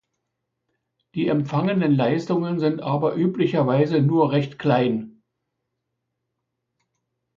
Die "empfangenen Leistungen" sind aber üblicherweise nur recht klein.